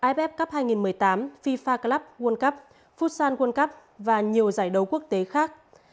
iff cup hai nghìn một mươi tám fifa club world cup foodsan world cup và nhiều giải đấu quốc tế khác